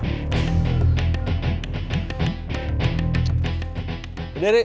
masih belum ketemu